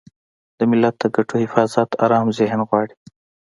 د ملت د ګټو حفاظت ارام ذهن غواړي.